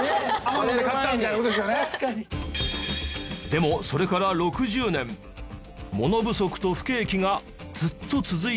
でもそれから６０年物不足と不景気がずっと続いているんです。